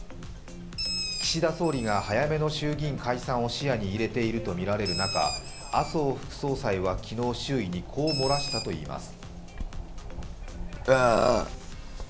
岸田総理が早めの衆議院解散を視野に入れているとみられる中、麻生副総裁は昨日、周囲にこう漏らしたといいます。